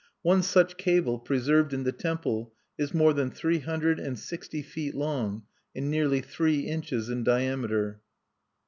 One such cable, preserved in the temple, is more than three hundred and sixty feet long, and nearly three inches in diameter.